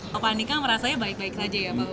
pak andika merasanya baik baik saja ya pak